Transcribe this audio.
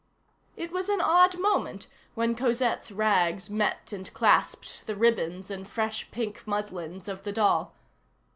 It was an odd moment when Cosette's rags met and clasped the ribbons and fresh pink muslins of the doll.